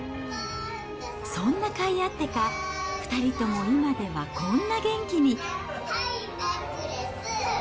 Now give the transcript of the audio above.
そんなかいあってか、２人とも今ではこんな元気に。